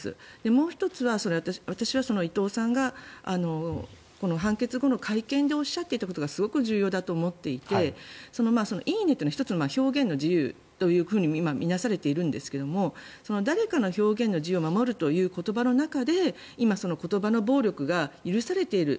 もう１つは私は伊藤さんが判決後の会見でおっしゃっていたことがすごく重要だと思っていて「いいね」というのは１つの表現の自由と見なされているんですが誰かの表現の自由を守るという言葉の中で今、言葉の暴力が許されている。